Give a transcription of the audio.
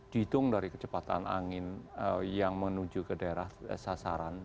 dihitung dari kecepatan angin yang menuju ke daerah sasaran